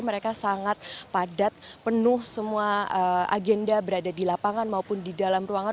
mereka sangat padat penuh semua agenda berada di lapangan maupun di dalam ruangan